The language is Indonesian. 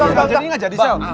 gak jadi gak jadi sel